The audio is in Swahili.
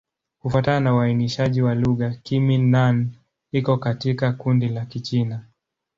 Kufuatana na uainishaji wa lugha, Kimin-Nan iko katika kundi la Kichina.